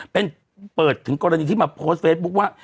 เป็นเปิดถึงกรณีที่มาโพสต์เฟซบุ๊คว่า